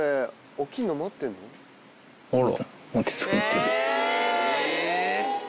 あら。